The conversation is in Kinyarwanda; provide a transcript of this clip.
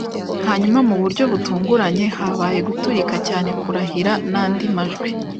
Hanyuma, mu buryo butunguranye habaye guturika cyane kurahira nandi majwi -